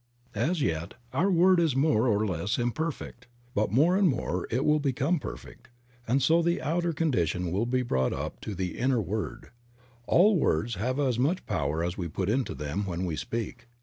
As yet our word is more or less imperfect ; but more and more it will become perfect, and so the outer condition will be brought up to the inner Creative Mind. 53 word. All words have as much power as we put into them when we speak.